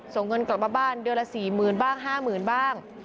ส่งเงินกลับมาบ้านเดือนละ๔๐๐๐บ้าง๕๐๐๐บ้าง